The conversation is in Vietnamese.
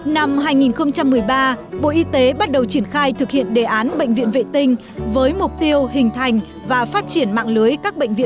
năm hai nghìn một mươi ba bộ y tế bắt đầu triển khai thực hiện đề án bệnh viện vệ tinh với mục tiêu hình thành và phát triển mạng lưới các bệnh viện